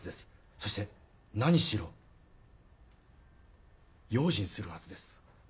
そして何しろ用心するはずです。